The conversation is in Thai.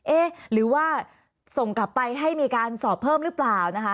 เอ๊ะหรือว่าส่งกลับไปให้มีการสอบเพิ่มหรือเปล่านะคะ